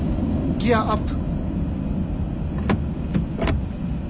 ギアアップ。